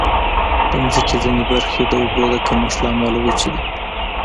د مځکې ځینې برخې د اوبو د کمښت له امله وچې دي.